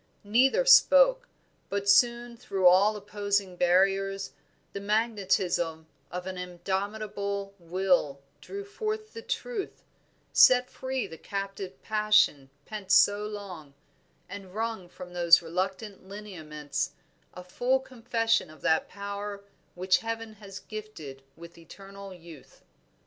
Neither spoke, but soon through all opposing barriers the magnetism of an indomitable will drew forth the truth, set free the captive passion pent so long, and wrung from those reluctant lineaments a full confession of that power which heaven has gifted with eternal youth.